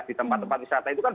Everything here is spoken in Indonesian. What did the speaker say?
di tempat tempat wisata itu kan